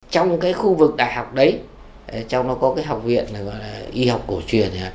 trong khu vực đại học đấy trong đó có học viện y học cổ truyền